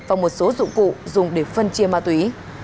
và một số dụng cụ dùng để phân chia ma túy